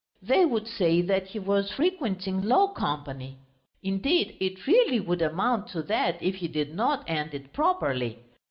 They would say that he was frequenting low company. Indeed it really would amount to that if he did not end it properly.